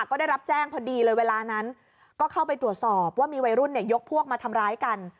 ก็ได้รับแจ้งพอดีเลยเวลานั้นก็เข้าไปตรวจสอบว่ามีวัยรุ่นเนี่ยยกพวกมาทำร้ายกัน